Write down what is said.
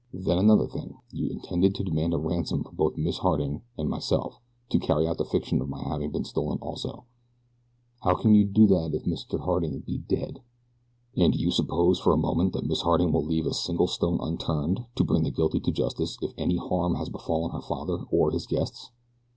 Then another thing; you intended to demand a ransom for both Miss Harding and myself, to carry out the fiction of my having been stolen also how can you do that if Mr. Harding be dead? And do you suppose for a moment that Miss Harding will leave a single stone unturned to bring the guilty to justice if any harm has befallen her father or his guests?